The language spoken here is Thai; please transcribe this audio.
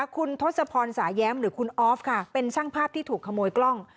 คุณทศพรสายแย้มหรือคุณออฟค่ะเป็นช่างภาพที่ถูกขโมยกล้อง